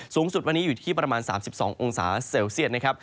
สูงสุดวันนี้อยู่ที่ประมาณ๓๒องศาเซลเซียตนะครับ